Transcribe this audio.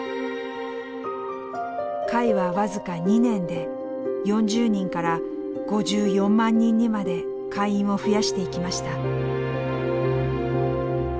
会は僅か２年で４０人から５４万人にまで会員を増やしていきました。